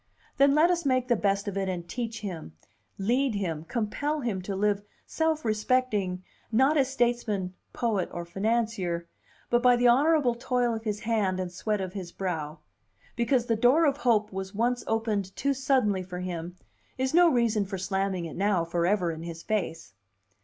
Then let us make the best of it and teach him, lead him, compel him to live self respecting, not as statesman, poet, or financier, but by the honorable toil of his hand and sweat of his brow. Because "the door of hope" was once opened too suddenly for him is no reason for slamming it now forever in his face.